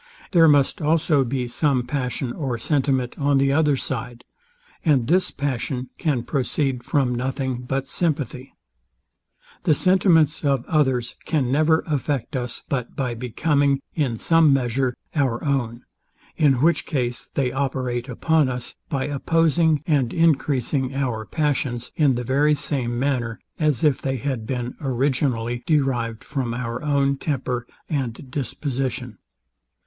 There must also be some passion or sentiment on the other side; and this passion can proceed from nothing but sympathy. The sentiments of others can never affect us, but by becoming, in some measure, our own; in which case they operate upon us, by opposing and encreasing our passions, in the very same manner, as if they had been originally derived from our own temper and disposition.